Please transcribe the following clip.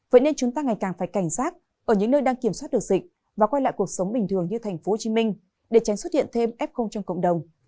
vậy nên chúng ta ngày càng phải cảnh giác ở những nơi đang kiểm soát được dịch và quay lại cuộc sống bình thường như tp hcm để tránh xuất hiện thêm f trong cộng đồng